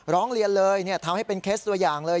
ร้องเรียนเลยทำให้เป็นเคสตัวอย่างเลย